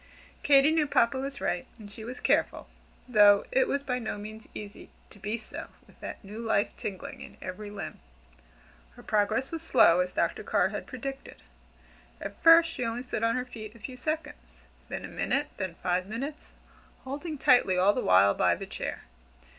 Katy knew Papa was right, and she was careful, though it was by no means easy to be so with that new life tingling in every limb. Her progress was slow, as Dr. Carr had predicted. At first she only stood on her feet a few seconds, then a minute, then five minutes, holding tightly all the while by the chair.